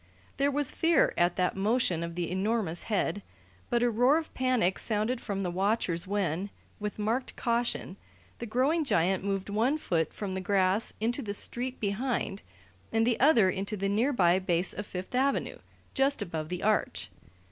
There was fear at that motion of the enormous head, but a roar of panic sounded from the watchers when, with marked caution, the growing giant moved one foot from the grass into the street behind and the other into the nearby base of Fifth Avenue, just above the Arch.